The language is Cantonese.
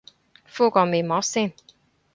敷個面膜先